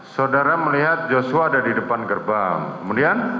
saudara melihat joshua ada di depan gerbang kemudian